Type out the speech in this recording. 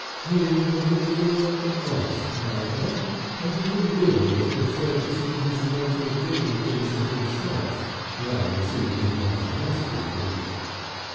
His was a reserved honest character, and he would really have preferred to see his lodger doing things for himself than receive his money for housekeeping.